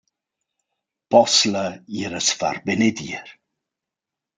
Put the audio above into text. Poss’la ir a’s far benedir!